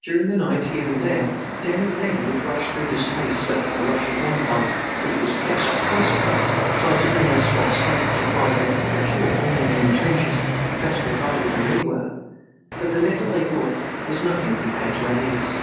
During the night, here and there daring men would rush through the space swept by the Russian gun fire, which was kept up constantly, trying to bring us what scanty supplies they could procure from neighboring trenches better provided than we were, but the little they brought was nothing compared to our needs.